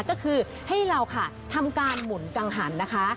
ก็คือให้เราค่ะทำการหมุนกังหันนะคะ